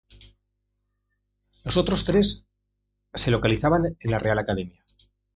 Los otros tres se localizan en la Real Academia.